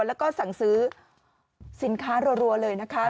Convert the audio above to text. แล้วก็สั่งซื้อสินค้ารัวเลยนะคะ